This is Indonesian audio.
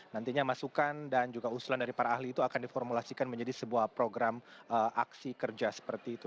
nantinya masukan dan juga usulan dari para ahli itu akan diformulasikan menjadi sebuah program aksi kerja seperti itu